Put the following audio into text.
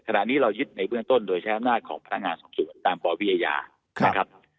ขณะนี้เรายึดในเบื้องต้นโดยใช้อำนาจของพนักงานสอบสวนตามปวิทยานะครับ